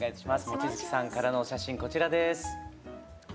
望月さんからのお写真こちらです。